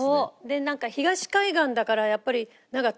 でなんか東海岸だからやっぱりなんか。